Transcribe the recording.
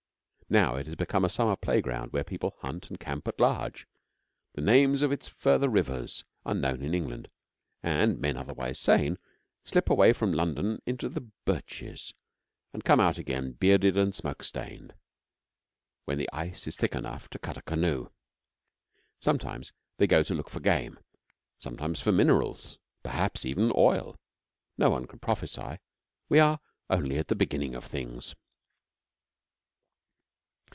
Now it has become a summer playground where people hunt and camp at large. The names of its further rivers are known in England, and men, otherwise sane, slip away from London into the birches, and come out again bearded and smoke stained, when the ice is thick enough to cut a canoe. Sometimes they go to look for game; sometimes for minerals perhaps, even, oil. No one can prophesy. 'We are only at the beginning of things.'